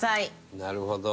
なるほど。